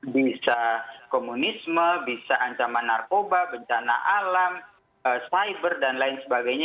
bisa komunisme bisa ancaman narkoba bencana alam cyber dan lain sebagainya